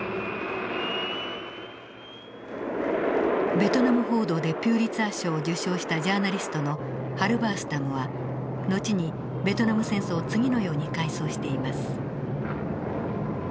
ベトナム報道でピュリツァー賞を受賞したジャーナリストのハルバースタムは後にベトナム戦争を次のように回想しています。